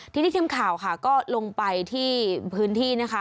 ทีนี้ทีมข่าวค่ะก็ลงไปที่พื้นที่นะคะ